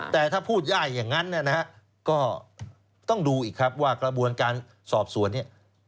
แต่ถ้าพูดง่ายอย่างนั้นนะฮะก็ต้องดูอีกครับว่ากระบวนการสอบสวนเนี่ย